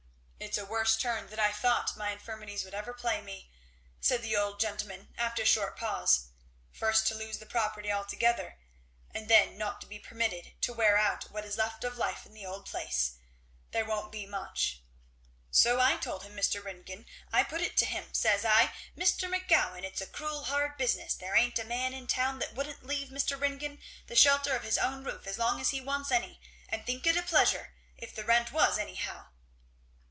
"It's a worse turn than I thought my infirmities would ever play me," said the old gentleman after a short pause, "first to lose the property altogether, and then not to be permitted to wear out what is left of life in the old place there won't be much." "So I told him, Mr. Ringgan. I put it to him. Says I, 'Mr. McGowan, it's a cruel hard business; there ain't a man in town that wouldn't leave Mr. Ringgan the shelter of his own roof as long as he wants any, and think it a pleasure, if the rent was anyhow.'"